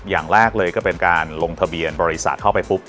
อย่างแรกเลยก็เป็นการลงทะเบียนบริษัทเข้าไปปุ๊บ